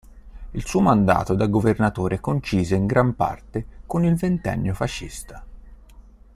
Il suo mandato da Governatore coincise in gran parte con il ventennio fascista.